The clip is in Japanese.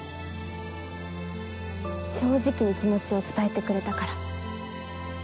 正直に気持ちを伝えてくれたから。